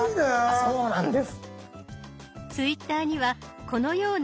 そうなんです。